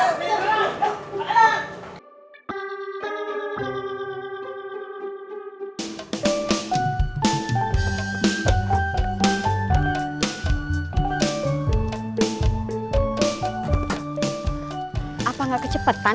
kesempatannya ini enggak kecepatan